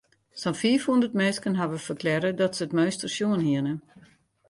Sa'n fiifhûndert minsken hawwe ferklearre dat se it meunster sjoen hiene.